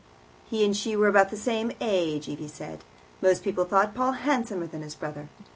He and she were about the same age, Evie said. Most people thought Paul handsomer than his brother.